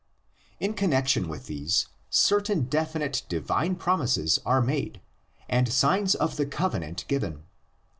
In connexion with these, certain definite divine promises are made and signs of the Covenant given.